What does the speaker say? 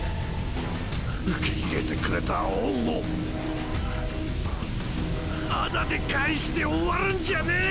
受け入れてくれた恩を仇で返して終わるんじゃねえ！